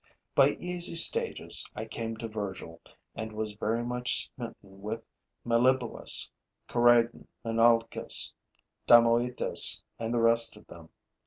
By easy stages, I came to Virgil and was very much smitten with Meliboeus, Corydon, Menalcas, Damoetas and the rest of them.